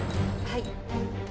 はい。